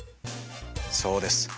そうです。